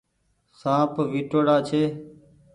سآنپ وٺو ڙآ ڇي۔